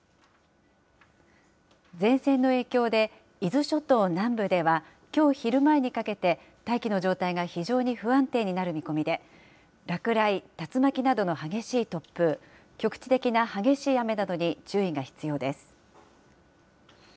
前線の影響で、伊豆諸島南部では、きょう昼前にかけて、大気の状態が非常に不安定になる見込みで、落雷、竜巻などの激しい突風、局地的な激しい雨などに注意が必要です。